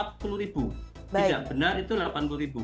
tidak benar itu rp delapan puluh ribu